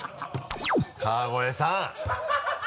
川越さん！